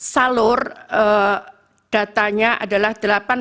salur datanya adalah delapan belas enam puluh dua